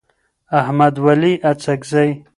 احمد ولي اڅکزی